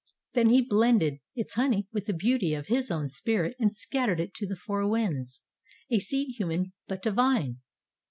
Then he blended its honey with the beauty of His own spirit and scattered it to the four winds, a seed human but divine.